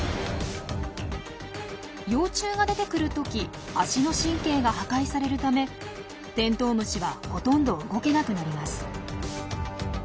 幼虫が出てくるとき脚の神経が破壊されるためテントウムシはほとんど動けなくなります。